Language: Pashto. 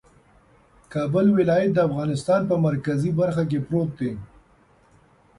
کابل ولایت د افغانستان په مرکزي برخه کې پروت دی